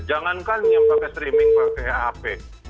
jangankan yang pakai streaming pakai hap